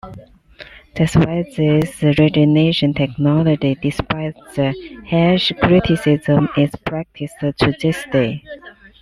That's why this rejuvenation technology, despite the harsh criticism is practiced to this day.